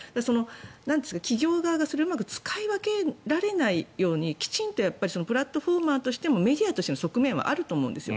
企業側がそれをうまく使い分けられないようにきちんとプラットフォーマーとしてもメディアとしての側面はあると思うんです。